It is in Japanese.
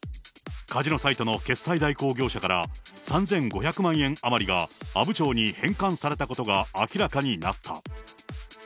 カジノサイトの決済代行会社から３５００万円余りが阿武町に返還されたことが明らかになった。